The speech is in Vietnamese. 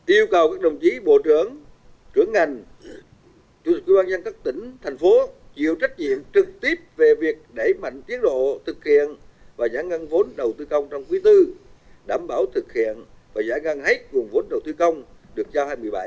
yêu cầu các đồng chí bộ trưởng trưởng ngành chủ tịch ubnd các tỉnh thành phố chịu trách nhiệm trực tiếp về việc đẩy mạnh tiến độ thực hiện và giải ngân vốn đầu tư công trong quý tư đảm bảo thực hiện và giải ngân hết nguồn vốn đầu tư công được giao hai mươi bảy